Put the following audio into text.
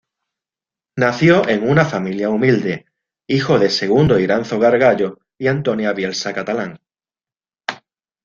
Nació en una familia humilde, hijo de Segundo Iranzo Gargallo y Antonia Bielsa Catalán.